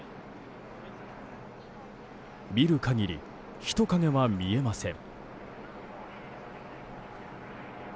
見る限り、人影は見えません。